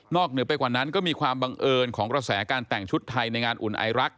เหนือไปกว่านั้นก็มีความบังเอิญของกระแสการแต่งชุดไทยในงานอุ่นไอรักษ